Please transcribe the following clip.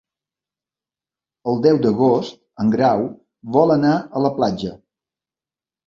El deu d'agost en Grau vol anar a la platja.